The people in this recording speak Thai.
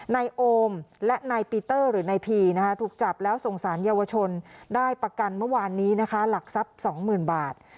นายโอมและนายปีเตอร์หรือนายพีถูกจับแล้วส่งสารเยาวชนได้ประกันเมื่อวานนี้นะคะหลักทรัพย์๒๐๐๐บาท